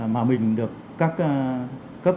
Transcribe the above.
mà mình được các